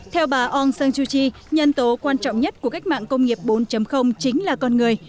theo bà aung san suu kyi nhân tố quan trọng nhất của cách mạng công nghiệp bốn chính là con người